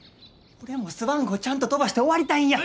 俺もスワン号ちゃんと飛ばして終わりたいんや。